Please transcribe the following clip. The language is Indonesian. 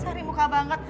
cari muka banget